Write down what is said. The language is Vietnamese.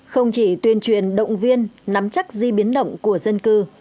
không chỉ tuyên truyền động viên nắm chắc di biến động của dân cư